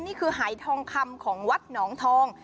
นี่คือหายทองคำของวัดหนองทอง